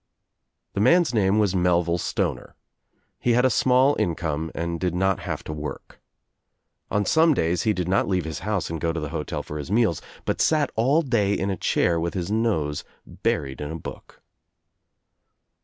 The man's name was Melville Stoner, He had a small income and did not have to work. On some days he did not leave his house and go to the hotel for his meals but sat all day in a chair with his nose buried in a book.